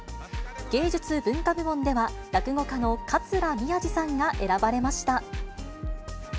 芸術・文化部門では、落語家の桂宮治さんが選ばれました。